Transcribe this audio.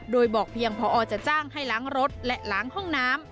โดยบอกเพียงพอจะจ้างให้ล้างรถและล้างห้องน้ำ